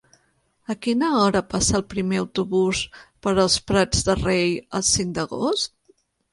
A quina hora passa el primer autobús per els Prats de Rei el cinc d'agost?